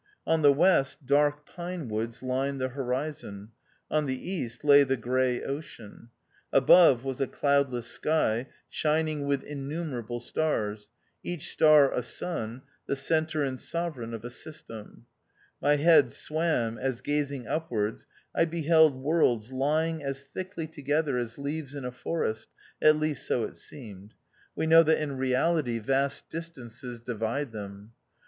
On the west, dark pine woods lined the horizon ; on the east lay the gray ocean ; above was a cloud less sky, shining with innumerable stars, each star a sun, the centre and sovereign of a system. My head swam as, gazing up wards, I beheld worlds lying as thickly together as leaves in a forest — at least so it seemed ; we know that in reality vast THE OUTCAST. 247 distances divide them.